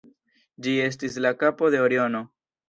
Ĝi estis la kapo de Oriono.